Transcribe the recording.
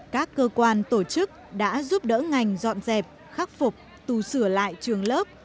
các cơ quan tổ chức đã giúp đỡ ngành dọn dẹp khắc phục tù sửa lại trường lớp